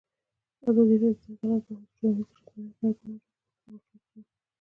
ازادي راډیو د عدالت په اړه د ټولنیزو رسنیو غبرګونونه راټول کړي.